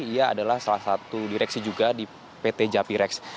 ia adalah salah satu direksi juga di pt japirex